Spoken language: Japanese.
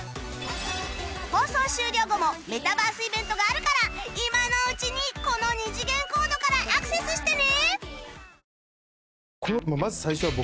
放送終了後もメタバースイベントがあるから今のうちにこの二次元コードからアクセスしてね